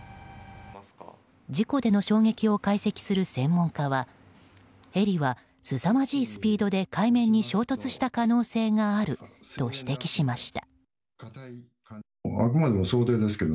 事故での衝撃を解析する専門家はヘリは、すさまじいスピードで海面に衝突した可能性があると指摘しました。